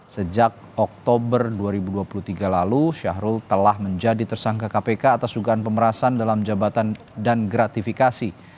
sejak oktober dua ribu dua puluh tiga lalu syahrul telah menjadi tersangka kpk atas dugaan pemerasan dalam jabatan dan gratifikasi